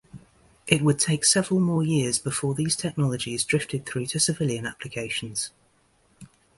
It would take several more years before these technologies drifted through to civilian applications.